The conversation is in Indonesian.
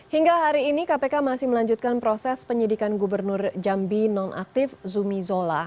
hingga hari ini kpk masih melanjutkan proses penyidikan gubernur jambi nonaktif zumi zola